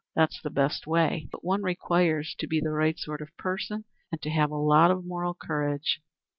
That's the best way, but one requires to be the right sort of person and to have a lot of moral courage.